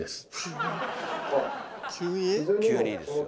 急にですよ。